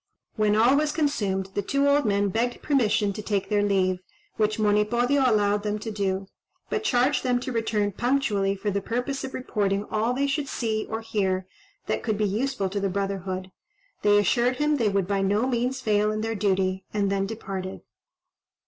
When all was consumed, the two old men begged permission to take their leave, which Monipodio allowed them to do, but charged them to return punctually, for the purpose of reporting all they should see or hear that could be useful to the brotherhood; they assured him they would by no means fail in their duty, and then departed.